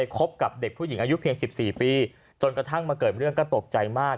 คบกับเด็กผู้หญิงอายุเพียง๑๔ปีจนกระทั่งมาเกิดเรื่องก็ตกใจมาก